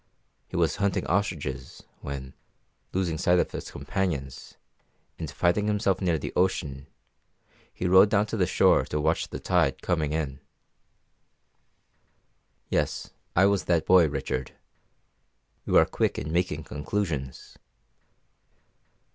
He was hunting ostriches, when, losing sight of his companions, and finding himself near the ocean, he rode down to the shore to watch the tide coming in. "Yes, I was that boy, Richard you are quick in making conclusions."